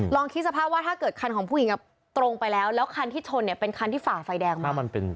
ลองคิดสภาพว่าถ้าเกิดคันของผู้หญิงตรงไปแล้วแล้วคันที่ชนเนี่ยเป็นคันที่ฝ่าไฟแดงมา